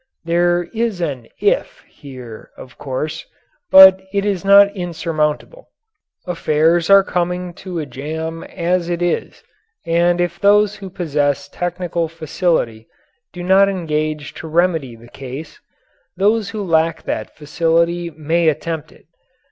There is an "if" here, of course. But it is not insurmountable. Affairs are coming to a jam as it is, and if those who possess technical facility do not engage to remedy the case, those who lack that facility may attempt it.